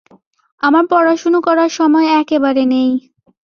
আমার পড়াশুনো করার সময় একেবারে নেই।